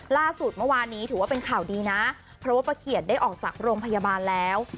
ล่าสุดเมื่อวานนี้ถือว่าเป็นข่าวดีนะเพราะว่าประเขียดได้ออกจากโรงพยาบาลแล้ว